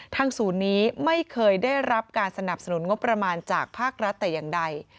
ศูนย์นี้ไม่เคยได้รับการสนับสนุนงบประมาณจากภาครัฐแต่อย่างใด